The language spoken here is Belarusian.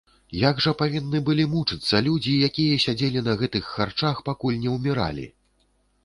Як жа павінны былі мучыцца людзі, якія сядзелі на гэтых харчах, пакуль не ўміралі!